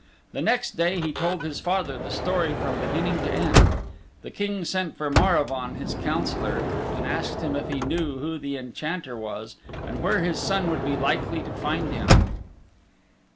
The next day he told his father the story from beginning to end. The King sent for Maravaun his Councillor and asked him if he knew who the Enchanter was and where his son would be likely to find him.